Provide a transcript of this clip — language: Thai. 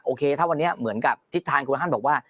โอเคถ้าวันนี้เหมือนกับทิศทางคุณฮันบอกว่า